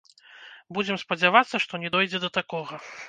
Будзем спадзявацца, што не дойдзе да такога.